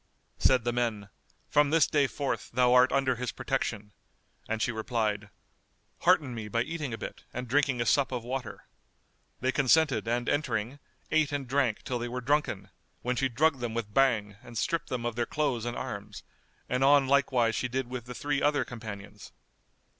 '" Said the men, "From this day forth, thou art under his protection"; and she replied, "Hearten me by eating a bit and drinking a sup of water."[FN#210] They consented and entering, ate and drank till they were drunken, when she drugged them with Bhang and stripped them of their clothes and arms; and on like wise she did with the three other companions.